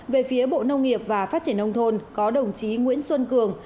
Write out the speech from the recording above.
về phía bộ nông nghiệp và phát triển nông thôn có đồng chí nguyễn xuân cường